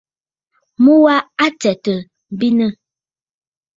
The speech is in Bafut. Mu wa a tsɛ̂tə̀ m̀benə.